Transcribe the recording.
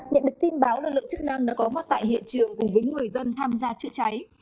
nhận được tin báo lực lượng chức năng đã có mặt tại hiện trường cùng với người dân tham gia chữa cháy